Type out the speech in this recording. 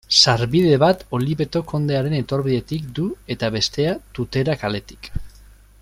Sarbide bat Oliveto kondearen etorbidetik du eta bestea Tutera kaletik.